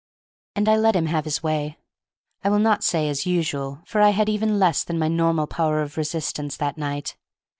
And I let him have his way, I will not say as usual, for I had even less than my normal power of resistance that night.